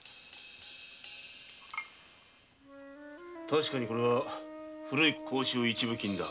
確かにこれは古い甲州一分金だ。